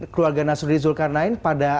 keluarga nasruddin sulkarnain pada